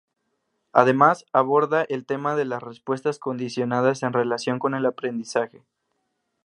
Además aborda el tema de las respuestas condicionadas en relación con el aprendizaje.